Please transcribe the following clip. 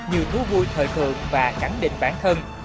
nhiều thú vui thời thường và cẳng định bản thân